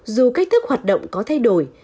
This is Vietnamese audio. dù cách thức hoạt động có thay đổi